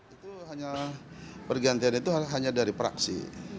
itu hanya pergantian itu hanya dari praksi